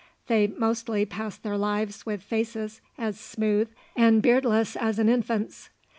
They mostly pass their lives with faces as smooth and beardless as an infant's.